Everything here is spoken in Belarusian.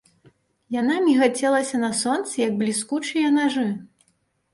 Яна мігацелася на сонцы, як бліскучыя нажы.